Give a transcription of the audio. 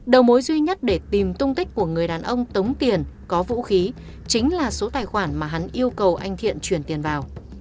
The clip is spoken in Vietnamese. đầu mối duy nhất để tìm tung tích của người đàn ông tống tiền có vũ khí chính là số tài khoản mà hắn yêu cầu anh thiện chuyển tiền vào